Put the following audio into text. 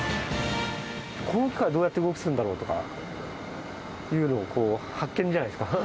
この機械、どうやって動かすんだろうっていうの、発見じゃないですか。